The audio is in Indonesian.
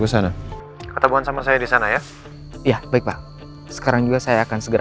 kesana ketemu sama saya di sana ya ya baik pak sekarang juga saya akan segera